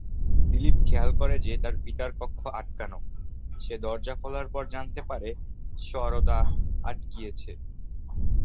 দিলীপ খেয়াল করে যে তার পিতার কক্ষ আটকানো, সে দরজা খোলার পর জানতে পারে শারদা আটকিয়েছে।